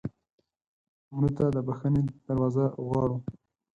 مړه ته د بښنې دروازه غواړو